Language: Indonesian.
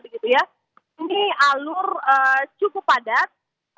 ini alur cukup padat